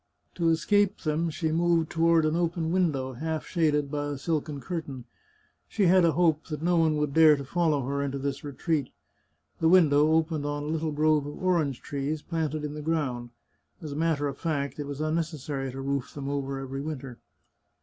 To escape them she moved toward an open window, half shaded by a silken cur tain. She had a hope that no one would dare to follow her into this retreat. The window opened on a little grove of orange trees, planted in the ground; as a matter of fact, it was necessary to roof them over every winter.